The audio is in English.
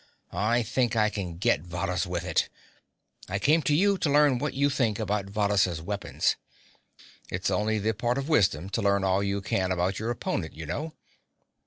I think I can get Varrhus with it. I came to you to learn what you think about Varrhus' weapons. It's only the part of wisdom to learn all you can about your opponent, you know."